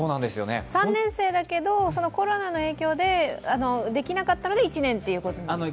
３年生だけど、コロナの影響でできなかったので、１年っていうことなんですか。